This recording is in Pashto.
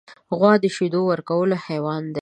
غوا د شیدو ورکولو حیوان دی.